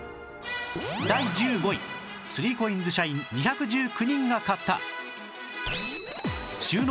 第１５位 ３ＣＯＩＮＳ 社員２１９人が買った